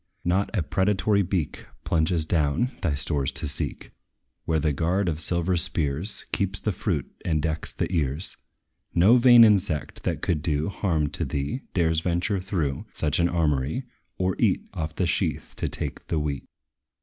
Not a predatory beak Plunges down, thy stores to seek, Where the guard of silver spears Keeps the fruit, and decks the ears. No vain insect, that could do Harm to thee, dares venture through Such an armory, or eat Off the sheath to take the wheat.